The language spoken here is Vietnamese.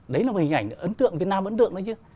đấy là hình ảnh ấn tượng việt nam ấn tượng đấy chứ